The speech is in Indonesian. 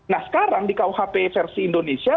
nah sekarang di kuhp versi indonesia